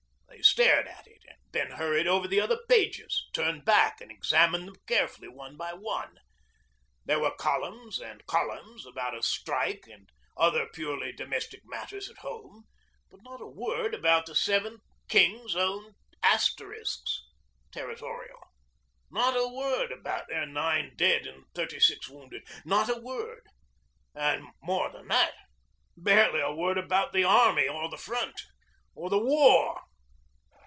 They stared at it, and then hurried over the other pages, turned back, and examined them carefully one by one. There were columns and columns about a strike and other purely domestic matters at home, but not a word about the 7th Kings Own Asterisks (Territorial), not a word about their nine dead and thirty six wounded not a word; and, more than that, barely a word about the Army, or the Front, or the War.